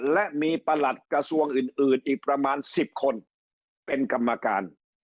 และมีประหลัดกระทรวงอื่นอีกประมาณ๑๐คนมาเป็นกรรมการ